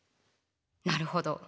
なるほど。